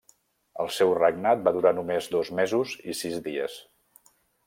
El seu regnat va durar només dos mesos i sis dies.